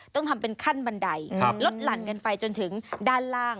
ต้องทำเป็นขั้นบันไดลดหลั่นกันไปจนถึงด้านล่าง